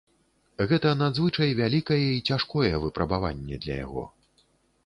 Гэта надзвычай вялікае і цяжкое выпрабаванне для яго.